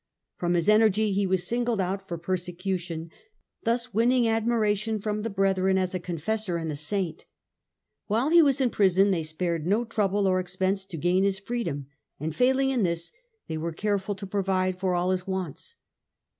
From his energy he was singled out for persecution, thus winning admiration from the brethren as a confessor and a saint. While he was in prison they spared no trouble or expense to gain his freedom, and, failing in this, they were careful to provide for all his wants.